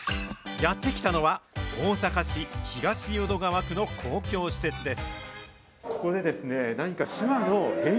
やって来たのは、大阪市東淀川区の公共施設です。